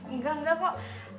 enggak enggak kok